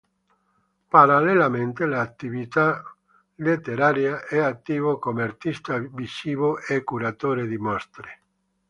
Parallelamente all'attività letteraria, è attivo come artista visivo e curatore di mostre.